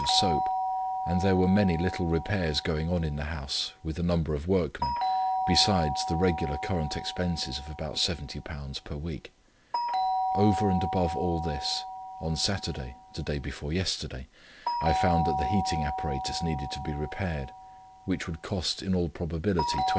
of soap, and there were many little repairs going on in the house, with a number of workmen, besides the regular current expenses of about £70 per week. Over and above all this, on Saturday, the day before yesterday, I found that the heating apparatus needed to be repaired, which would cost in all probability £25.